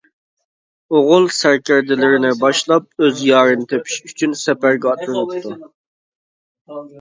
ئوغۇل سەركەردىلىرىنى باشلاپ، ئۆز يارىنى تېپىش ئۈچۈن سەپەرگە ئاتلىنىپتۇ.